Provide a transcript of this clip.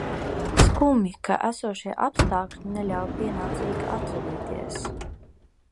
Skumji, ka esošie apstākļi neļāva pienācīgi atvadīties.